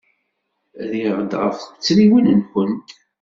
Rriɣ-d ɣef tuttriwin-nwent.